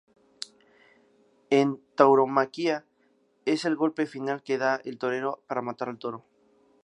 En tauromaquia, es el golpe final que da el torero para matar al toro.